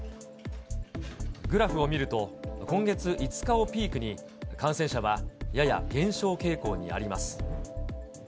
グラフを見ると、今月５日をピークに、感染者はやや減少傾向にあります。